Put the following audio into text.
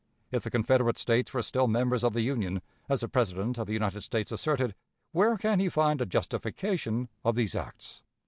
If the Confederate States were still members of the Union, as the President of the United States asserted, where can he find a justification of these acts?